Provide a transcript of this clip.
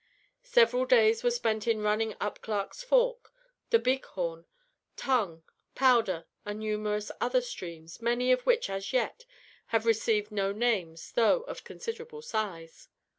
Several days were spent in running up Clark's Fork, the Big Horn, Tongue, Powder, and numerous other streams, many of which, as yet, have received no names though of considerable size.